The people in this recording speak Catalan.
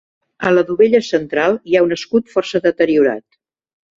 A la dovella central hi ha un escut força deteriorat.